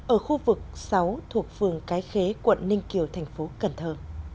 ở khu vực sáu thuộc phường cái khế quận ninh kiều thành phố cần thơ